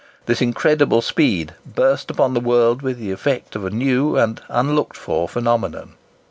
This incredible speed burst upon the world with the effect of a new and unlooked for phenomenon.